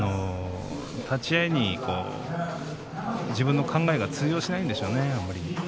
立ち合いに自分の考えが通用しないんでしょうね。